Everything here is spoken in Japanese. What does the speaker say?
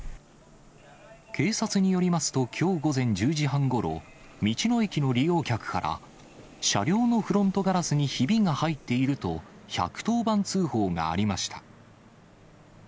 警察によりますと、きょう午前１０時半ごろ、道の駅の利用客から、車両のフロントガラスにひびが入っていると１１０番通報がありました。